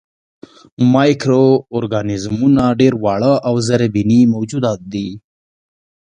مایکرو ارګانیزمونه ډېر واړه او زرېبيني موجودات دي.